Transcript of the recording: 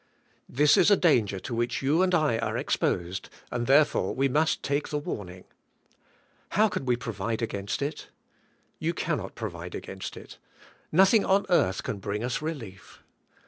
This is a danger to which you and I are exposed and therefore we must take the warning. How can we provide against it? You cannot provide against it. Nothing on earth can bring us relief.